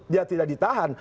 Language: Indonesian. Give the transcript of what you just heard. dia tidak ditahan